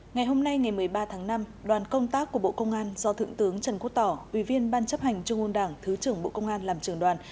ngày hôm nay ngày một mươi ba tháng năm đoàn công tác của bộ công an do thượng tướng trần quốc tỏ ủy viên ban chấp hành trung ương đảng thứ trưởng bộ công an làm trường đoàn